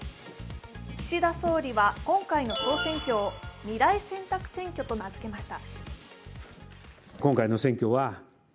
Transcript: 岸田総理は今回の総選挙を未来選択選挙と名づけました。